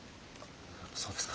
そうですか。